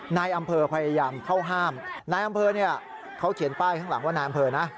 นายอำเภอพยายามเข้าห้ามนายอำเภอเนี่ยเขาเขียนป้ายข้างหลังว่านายอำเภอนะ